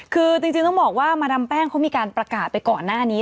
คือจริงต้องบอกว่ามาดามแป้งเขามีการประกาศไปก่อนหน้านี้